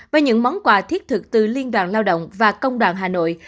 với những món quà thiết thực từ liên đoàn lao động và công đoàn hà nội